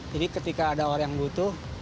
jadi ketika ada orang yang butuh